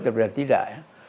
lebih baik tidak